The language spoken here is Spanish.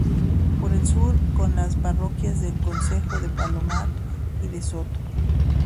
Por el sur con las parroquias del concejo de Palomar y de Soto.